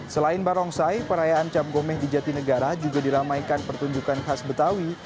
selain barongsai perayaan cap gomeh di jatinegara juga diramaikan pertunjukan khas betawi